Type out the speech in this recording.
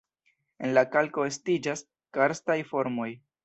En la kalko estiĝas karstaj formoj.